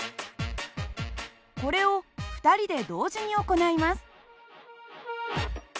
これを２人で同時に行います。